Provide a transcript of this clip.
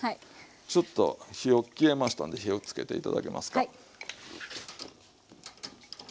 ちょっと火を消えましたんで火をつけて頂けますか。